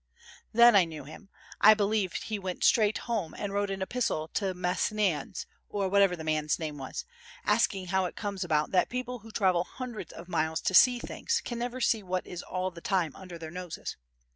Then I knew him. I believe he went straight home and wrote an epistle to Mecænas, or whatever the man's name was, asking how it comes about that people who travel hundreds of miles to see things can never see what is all the time under their noses.